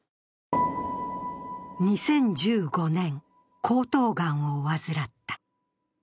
２０１５年、喉頭がんを患った。